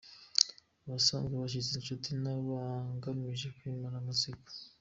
Abasanzwe – Abashyitsi, Inshuti, n’abagamije kwimara amatsiko.